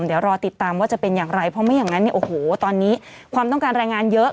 เดี๋ยวรอติดตามว่าจะเป็นอย่างไรเพราะไม่อย่างนั้นเนี่ยโอ้โหตอนนี้ความต้องการแรงงานเยอะ